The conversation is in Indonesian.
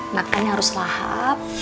makan harus lahap